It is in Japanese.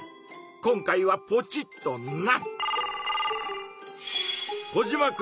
今回はポチッとな！